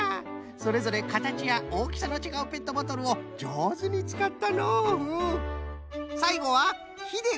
それぞれかたちやおおきさのちがうペットボトルをじょうずにつかったのううん。